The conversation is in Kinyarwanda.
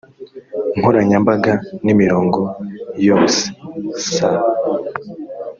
nkoranyambaga n imirongo yoses